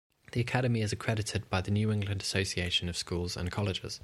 The academy is accredited by the New England Association of Schools and Colleges.